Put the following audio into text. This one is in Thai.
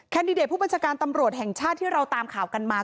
ดิเดตผู้บัญชาการตำรวจแห่งชาติที่เราตามข่าวกันมา